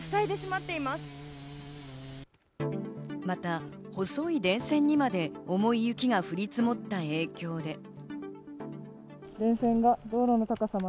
また細い電線にまで重い雪が降り積もった影響で。